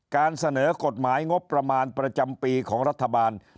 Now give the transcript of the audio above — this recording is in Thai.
การเสนอกฎหมายงบประมาณประจำปีของรัฐบาล